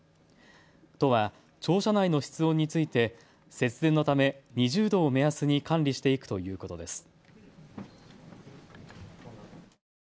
都は庁舎内の室温について節電のため２０度を目安に管理していくということです。